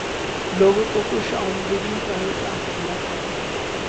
لوگوں کو خوش آمدیدگی کا احساس دلاتا ہوں